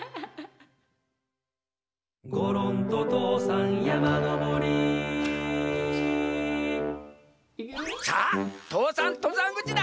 「ごろんととうさんやまのぼり」さあ父山とざんぐちだ。